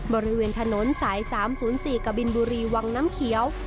บริเวณถนนสาย๓๐๔กบินบุรีวังน้ำเขียว